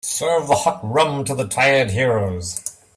Serve the hot rum to the tired heroes.